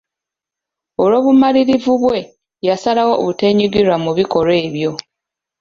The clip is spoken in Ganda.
Olw’obumanyirivu bwe, yasalawo obuteenyigira mu bikolwa ebyo.